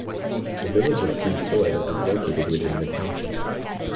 The Village of Free Soil is located within the township.